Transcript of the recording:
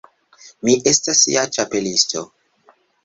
Mi estas ja Ĉapelisto.